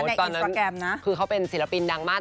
อู๋ตอนนั้นเขาเป็นศิลปินดังมาก